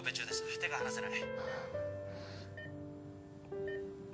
手が離せない